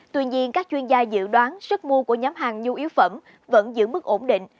tuy nhiên các chuyên gia dự đoán sức mua của nhóm hàng nhu yếu phẩm vẫn giữ mức ổn định